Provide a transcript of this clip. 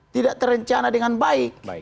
tidak terencana dengan baik